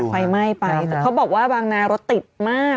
ไฟไหม้ไปแต่เขาบอกว่าบางนารถติดมาก